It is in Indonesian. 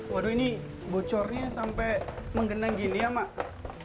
waduh ini bocornya sampai menggenang gini ya mak